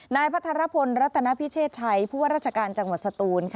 นายพัทรพลรัตนพิเชษชัยผู้ว่าราชการจังหวัดสตูน